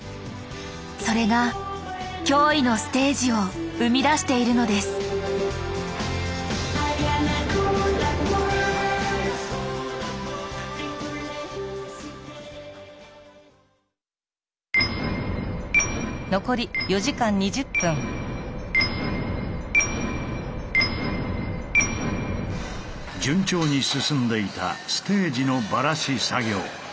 それが驚異のステージを生み出しているのです順調に進んでいたステージのバラし作業。